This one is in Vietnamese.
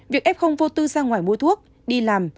việc f vô tư ra ngoài mua thuốc đi làm